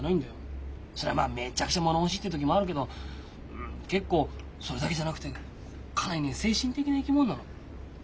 そりゃまあめちゃくちゃもの欲しいって時もあるけど結構それだけじゃなくてかなりね精神的な生き物なの。